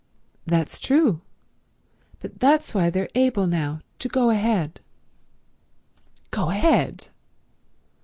"That's true. But that's why they're able now to go ahead." "Go ahead!"